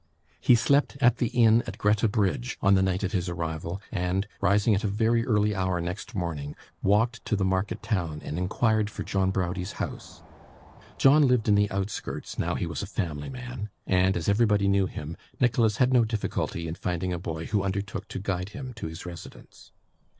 He slept at the inn at Greta Bridge on the night of his arrival, and, rising at a very early hour next morning, walked to the market town, and inquired for John Browdie's house. John lived in the outskirts, now he was a family man; and as everbody knew him, Nicholas had no difficulty in finding a boy who undertook to guide him to his residence.